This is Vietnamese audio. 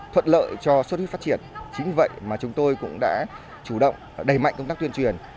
thuận lợi cho xuất huyết phát triển chính vì vậy mà chúng tôi cũng đã chủ động đẩy mạnh công tác tuyên truyền